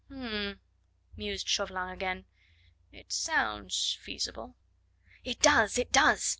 "H'm!" mused Chauvelin again, "it sounds feasible." "It does! it does!"